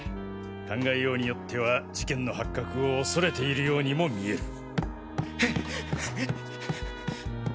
考えようによっては事件の発覚を恐れているようにも見える。